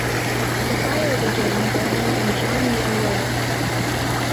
The fire began burning in John Muir Wilderness.